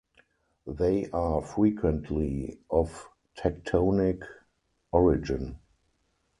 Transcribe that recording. They are frequently of tectonic origin.